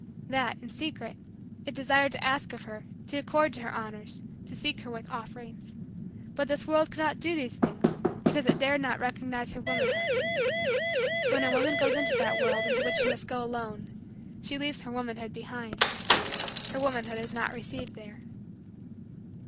That, in secret, it desired to ask of her; to accord to her honors; to seek her with offerings. But this world could not do these things because it dared not recognize her womanhood. When a woman goes into that world into which she must go alone, she leaves her womanhood behind. Her womanhood is not received there.